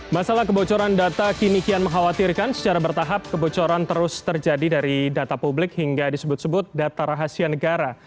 masalah kebocoran data kini kian mengkhawatirkan secara bertahap kebocoran terus terjadi dari data publik hingga disebut sebut data rahasia negara